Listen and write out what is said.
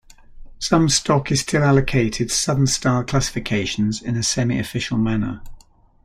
Some stock is still allocated Southern-style classifications in a semi-official manner.